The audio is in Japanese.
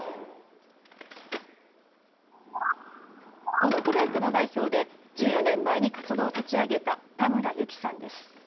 このグループの代表で１４年前に活動を立ち上げた田村有希さんです。